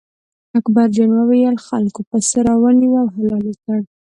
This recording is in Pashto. اکبر جان وویل: خلکو پسه را ونیوه او حلال یې کړ.